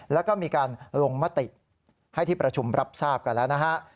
แล้วก็มีการลงมติให้ที่ประชุมรับทราบกันแล้วนะฮะ